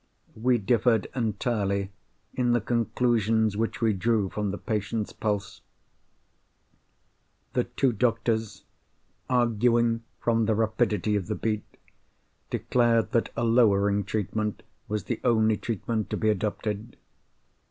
We differed entirely in the conclusions which we drew from the patient's pulse. The two doctors, arguing from the rapidity of the beat, declared that a lowering treatment was the only treatment to be adopted.